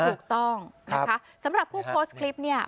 ถูกต้องนะคะสำหรับผู้โพสต์คลิปเนี่ย